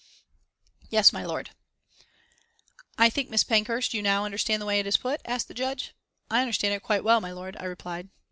"Yes, my lord." "I think, Mrs. Pankhurst, you now understand the way it is put?" asked the Judge. "I understand it quite well, my lord," I replied.